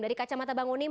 dari kacamata bang unim